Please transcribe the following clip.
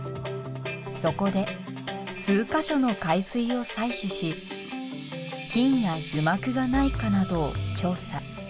そこで数か所の海水を採取し菌や油膜がないかなどを調査。